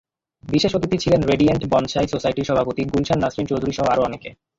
বিশেষ অতিথি ছিলেন রেডিয়েন্ট বনসাই সোসাইটির সভাপতি গুলশান নাসরীন চৌধুরীসহ আরও অনেকে।